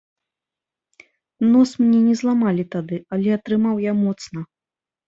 Нос мне не зламалі тады, але атрымаў я моцна.